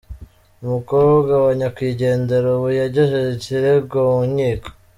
Umukobwa wa nyakwigendera ubu yagejeje ikirego mu nkiko.